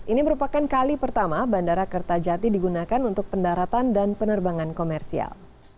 ini merupakan kali pertama bandara kertajati digunakan untuk pendaratan dan penerbangan komersial